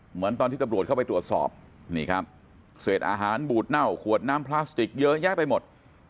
เหมือนตอนที่ตำรวจเข้าไปตรวจสอบนี่ครับเศษอาหารบูดเน่าขวดน้ำพลาสติกเยอะแยะไปหมด